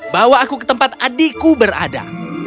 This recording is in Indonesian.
bawa aku ke tempat adikku berada